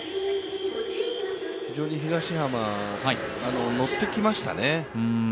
非常に東浜、乗ってきましたね。